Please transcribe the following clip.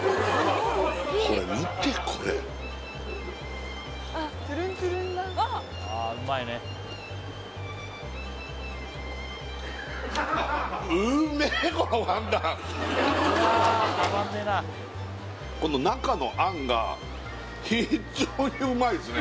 これ見てこれこの中の餡が非常にうまいですね